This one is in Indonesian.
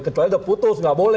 kecuali udah putus